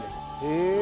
へえ！